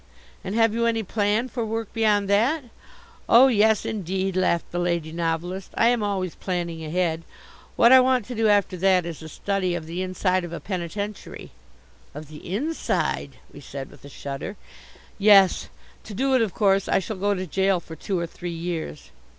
And have you any plan for work beyond that?" "Oh, yes indeed," laughed the Lady Novelist. "I am always planning ahead. What I want to do after that is a study of the inside of a penitentiary." "Of the inside?" we said, with a shudder. "Yes. To do it, of course, I shall go to jail for two or three years!"